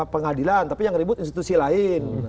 pengadilan tapi yang ribut institusi lain